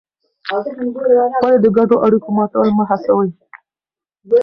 ولې د ګډو اړیکو ماتول مه هڅوې؟